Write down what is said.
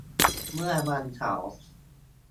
เมื่อวันเสาร์